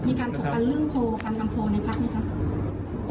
มีการถูกกันเรื่องโทรกันกันโทรในพรรคไหมครับ